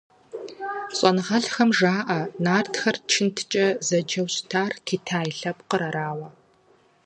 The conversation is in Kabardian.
Щӏэныгъэлӏхэм жаӏэ Нартхэр чынткӏэ зэджэу щытар Китай лъэпкъыр арауэ.